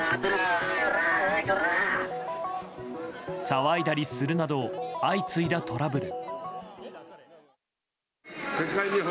騒いだりするなど相次いだトラブル。